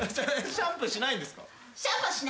シャンプーはしないです！